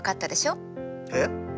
えっ？